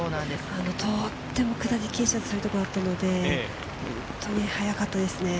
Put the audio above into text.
とっても下り傾斜が強いところだったので、速かったですね。